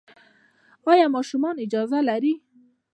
ایا ماشومان اجازه لري؟